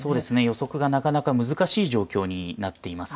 予測がなかなか難しい状況になっています。